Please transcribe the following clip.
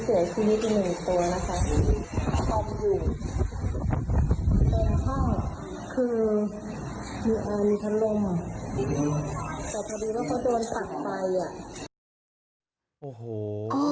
โอ้โห